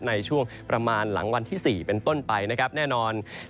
ในช่วงประมาณหลังวันที่๔เป็นต้นไปนะครับแน่นอน